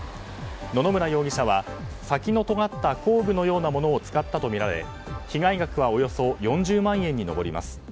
野々村容疑者は先のとがった工具のようなものを使ったとみられ被害額はおよそ４０万円に上ります。